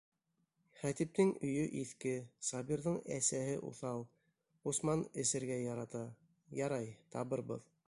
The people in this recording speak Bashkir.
Хәтиптең өйө иҫке, Сабирҙың әсәһе уҫал, Усман эсергә ярата... ярай, табырбыҙ.